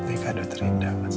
ini kadang terindah sayang